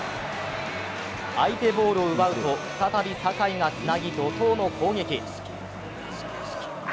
相手ボールを奪うと再び酒井がつなぎ怒とうの攻撃。